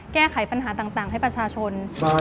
แก้ไขปัญหาต่างให้ประชาชน